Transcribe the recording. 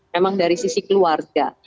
memang dari sisi keluarga